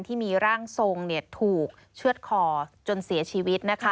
ที่มีร่างทรงถูกเชื่อดคอจนเสียชีวิตนะคะ